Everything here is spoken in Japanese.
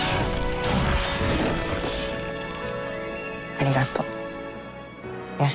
ありがとう吉信。